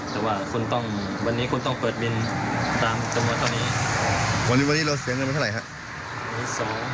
แต่ว่าคุณต้องวันนี้คุณต้องเปิดบินตามจังหวะเท่านี้